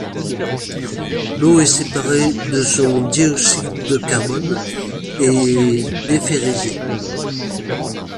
L'eau est séparée de son dioxyde de carbone et déferrisée.